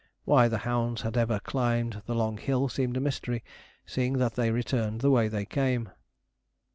Why the hounds had ever climbed the long hill seemed a mystery, seeing that they returned the way they came.